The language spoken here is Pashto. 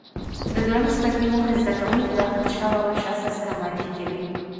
د دویم څپرکي موخې زده کوونکي له احمدشاه بابا شخصیت سره معرفي کوي.